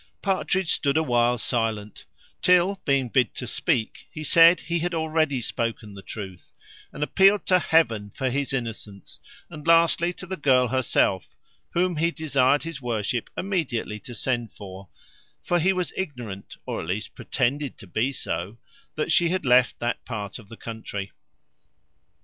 Partridge stood a while silent, till, being bid to speak, he said he had already spoken the truth, and appealed to Heaven for his innocence, and lastly to the girl herself, whom he desired his worship immediately to send for; for he was ignorant, or at least pretended to be so, that she had left that part of the country.